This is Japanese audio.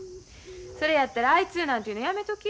それやったらあいつなんて言うのやめとき。